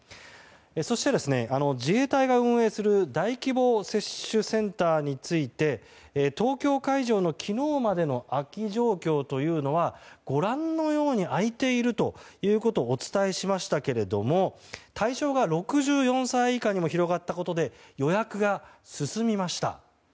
そして、自衛隊が運営する大規模接種センターについて東京会場の昨日までの空き状況というのはご覧のように空いているということをお伝えしましたけれども対象が６４歳以下にも広がったことで予約が進みました。